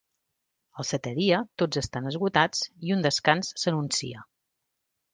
El setè dia tots estan esgotats i un descans s'anuncia.